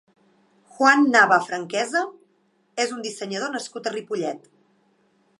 Juan Nava Franquesa és un dissenyador nascut a Ripollet.